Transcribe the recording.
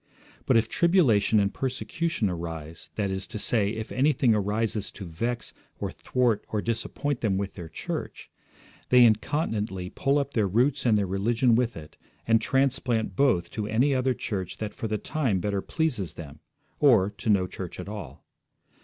But if tribulation and persecution arise, that is to say, if anything arises to vex or thwart or disappoint them with their church, they incontinently pull up their roots and their religion with it, and transplant both to any other church that for the time better pleases them, or to no church at all.